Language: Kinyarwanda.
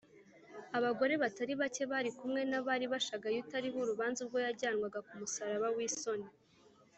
abagore batari bake bari kumwe n’abari bashagaye utariho urubanza ubwo yajyanwaga ku musaraba w’isoni